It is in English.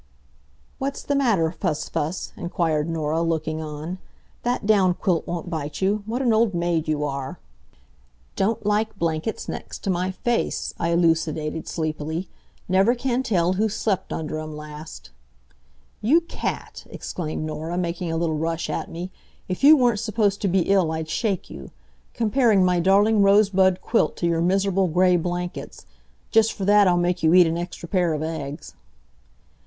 "What's the matter, Fuss fuss?" inquired Norah, looking on. "That down quilt won't bite you; what an old maid you are!" "Don't like blankets next to my face," I elucidated, sleepily, "never can tell who slept under 'em last " "You cat!" exclaimed Norah, making a little rush at me. "If you weren't supposed to be ill I'd shake you! Comparing my darling rosebud quilt to your miserable gray blankets! Just for that I'll make you eat an extra pair of eggs."